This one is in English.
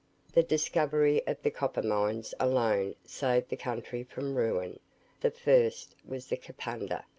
The discovery of the copper mines alone saved the country from ruin. The first was the Kapunda.